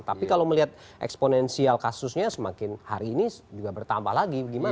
tapi kalau melihat eksponensial kasusnya semakin hari ini juga bertambah lagi gimana